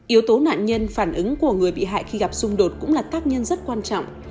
yếu tố nạn nhân phản ứng của người bị hại khi gặp xung đột cũng là tác nhân rất quan trọng